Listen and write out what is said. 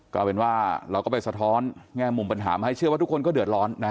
ก็เป็นว่าเราก็ไปสะท้อนแง่มุมปัญหามาให้เชื่อว่าทุกคนก็เดือดร้อนนะ